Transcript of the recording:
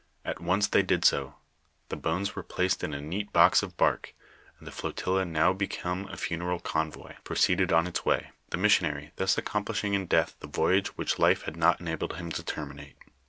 At once they did so ; the bones were placed in a neat box of bark, and the flotilla now become a funeral convoy, pro ceeded on its way; the missionary thus accomplishing in death the voyage which life had not enabled him to terminate.